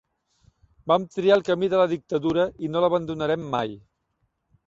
Vam triar el camí de la dictadura i no l'abandonarem mai.